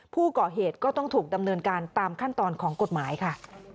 ผู้ก่อเหตุก็ต้องถูกดำเนินการตามขั้นตอนของกฎหมายค่ะ